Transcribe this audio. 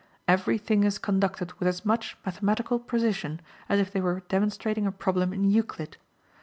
Every thing is conducted with as much mathematical precision as if they were demonstrating a problem in Euclid.